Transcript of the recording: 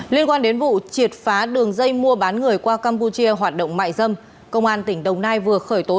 liên quan đến vụ triệt phá đường dây mua bán người qua campuchia hoạt động mại dâm công an tỉnh đồng nai vừa khởi tố